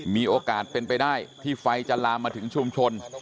มีโอกาสเป็นไปได้ที่ไฟจะลามมาถึงชุมชน